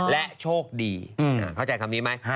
และโชคดีเข้าใจคำนี้ไหม